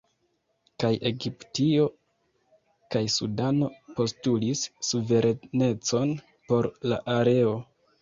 Kaj Egiptio kaj Sudano postulis suverenecon por la areo.